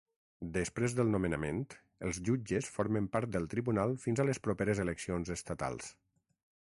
Després del nomenament, els jutges formen part del tribunal fins a les properes eleccions estatals.